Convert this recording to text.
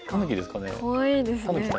かわいいですね。